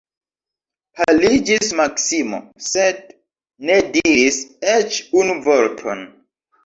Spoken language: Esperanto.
Paliĝis Maksimo, sed ne diris eĉ unu vorton.